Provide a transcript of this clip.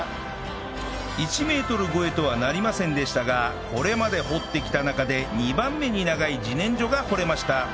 １メートル超えとはなりませんでしたがこれまで掘ってきた中で２番目に長い自然薯が掘れました